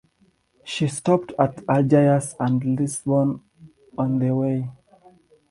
She stopped of at Algiers and at Lisbon on the way.